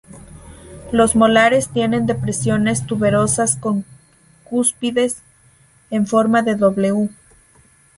Los molares tienen depresiones tuberosas con cúspides en forma de "w".